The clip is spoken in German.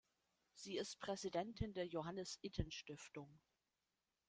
Sie ist Präsidentin der Johannes-Itten-Stiftung.